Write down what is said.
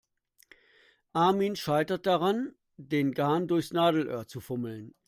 Armin scheitert daran, den Garn durch das Nadelöhr zu fummeln.